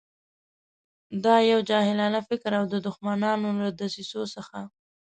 دا یو جاهلانه فکر او د دښمنانو له دسیسو څخه.